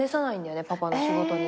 パパの仕事に。